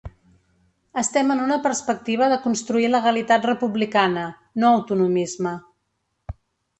Estem en una perspectiva de construir legalitat republicana, no autonomisme.